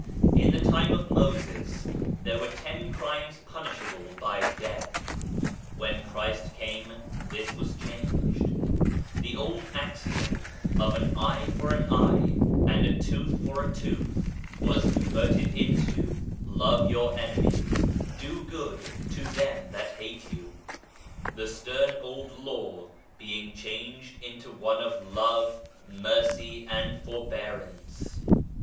In the time of Moses, there were ten crimes punishable by death. When Christ came this was changed ; the old axiom " an eye for an eye, and a tooth for a tooth " was converted into " Love your enemies, do good to them that hate you/' the stern old law being changed into one of love, mercy and forbearance